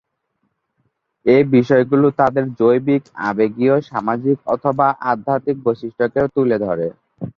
এই বিষয়গুলো তাদের জৈবিক, আবেগীয়, সামাজিক অথবা আধ্যাত্মিক বৈশিষ্ট্যকে তুলে ধরে।